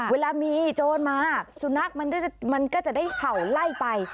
เวลามีโจรมาสุนัขมันก็จะได้เห่าไล่ไป